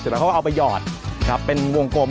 แล้วเขาก็เอาไปหยอดครับเป็นวงกลม